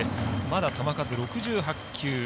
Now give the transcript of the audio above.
まだ球数６８球。